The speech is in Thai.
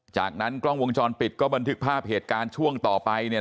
จากนั้นกล้องวงจรปิดก็บันทึกภาพเหตุการณ์ช่วงต่อไปเนี่ย